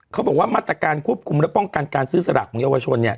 เขาบอกว่ามาตรการควบคุมและป้องกันการซื้อสลักของเยาวชนเนี่ย